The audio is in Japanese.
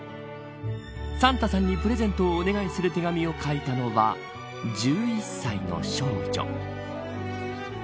サンタさんにプレゼントをお願いする手紙を書いたのは１１歳の少女。